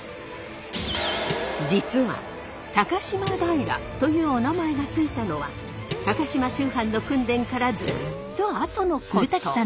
実は高島平というおなまえがついたのは高島秋帆の訓練からずっと後のこと。